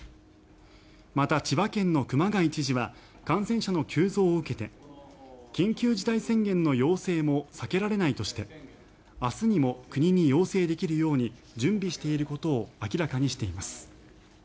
また千葉県の熊谷知事は感染者の急増を受けて緊急事態宣言の要請も避けられないとして明日にも、国に要請できるように準備していることを明らかにしています。